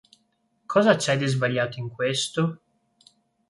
Cosa c'è di sbagliato in questo?